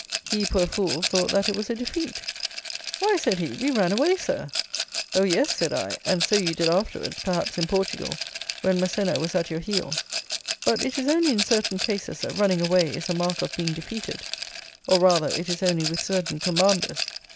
He, poor fool, thought that it was a defeat. "Why," said he, "we ran away, Sir." Oh, yes! said I, and so you did afterwards, perhaps, in Portugal, when Massena was at your heels; but it is only in certain cases that running away is a mark of being defeated; or, rather, it is only with certain commanders.